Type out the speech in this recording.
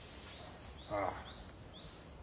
ああ。